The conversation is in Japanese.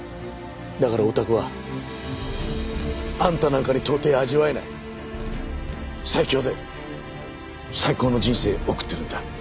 だからオタクはあんたなんかに到底味わえない最強で最高の人生送ってるんだ。